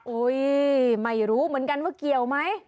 ไม่รู้เหมือนกันว่าเกี่ยวไหม